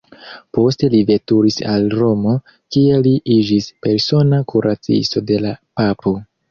Poste li veturis al Romo, kie li iĝis persona kuracisto de la Papo.